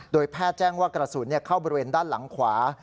แพทย์แจ้งว่ากระสุนเข้าบริเวณด้านหลังขวา